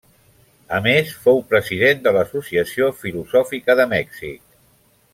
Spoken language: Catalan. A més, fou president de l'Associació Filosòfica de Mèxic.